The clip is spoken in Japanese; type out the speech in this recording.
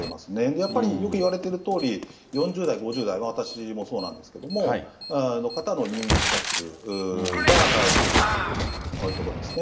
やっぱりよくいわれてるとおり、４０代、５０代、私もそうなんですけれども、入院者数が増えてきているというところですね。